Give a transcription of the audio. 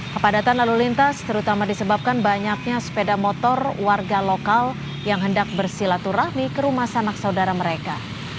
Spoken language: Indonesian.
kepadatan lalu lintas terutama disebabkan banyaknya sepeda motor warga lokal yang hendak bersilaturahmi ke rumah sanak saudara mereka